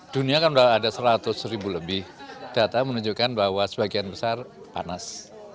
dunia kan sudah ada seratus ribu lebih data menunjukkan bahwa sebagian besar panas